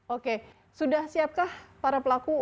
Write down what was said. oke sudah siapkah para pelaku umkm ini